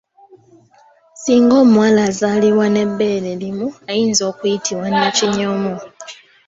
Singa omuwala azaalibwa n’ebbeere limu ayinza okuyitibwa Nakinyomo.